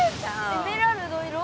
エメラルド色？